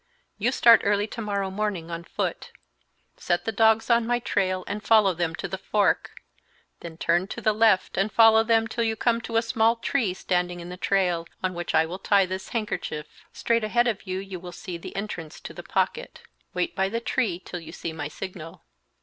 You start early to morrow morning on foot. Set the dogs on my trail and follow them to the fork; then turn to the left and follow them till you come to a small tree standing in the trail, on which I will tie this handkerchief. Straight ahead of you you will see the entrance to the Pocket. Wait by the tree till you see my signal.